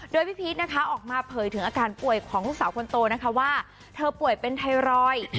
โดยพี่พีชนะคะออกมาเผยถึงอาการป่วยของลูกสาวคนโตนะคะว่าเธอป่วยเป็นไทรอยด์